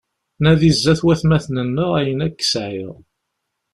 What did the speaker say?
Nadi zdat n watmaten-nneɣ ayen akk sɛiɣ.